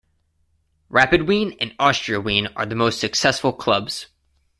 Rapid Wien and Austria Wien are the most successful clubs.